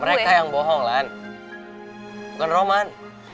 mereka yang bohong kan bukan roman